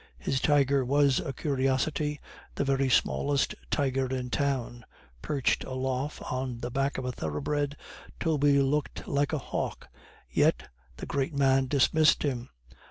His tiger was a curiosity, the very smallest tiger in town. Perched aloft on the back of a thoroughbred, Joby looked like a hawk. Yet the great man dismissed him.